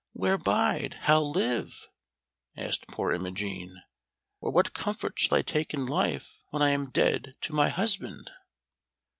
Where bide? How live?" asked poor Imogen. "Or what comfort shall I take in life when I am dead to my husband?"